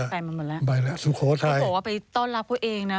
ไปมาหมดแล้วไปแล้วสุโขทัยเขาบอกว่าไปต้อนรับเขาเองนะ